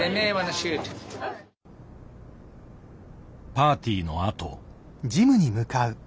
パーティーのあと。